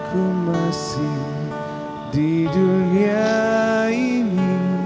ku masih di dunia ini